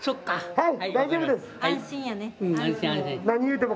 はい。